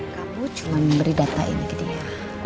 kamu cuma memberi data ini ke dia